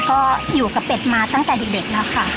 ก็อยู่กับเป็ดมาตั้งแต่เด็กแล้วค่ะ